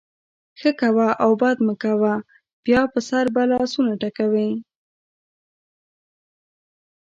ښه کوه او بد مه کوه؛ بیا به سر په لاسونو ټکوې.